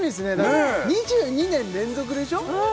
２２年連続でしょ？